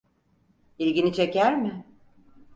İlgini çeker mi?